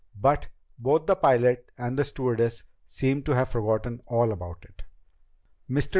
But both the pilot and the stewardess seemed to have forgotten all about it. Mr.